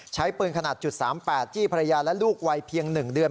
ใช้ปืนขนาด๓๘จี้ภรรยาและลูกวัยเพียง๑เดือน